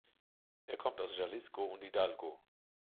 Er kommt aus Jalisco und Hidalgo.